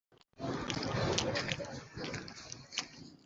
Nteruye inganzo ihanitse umwezi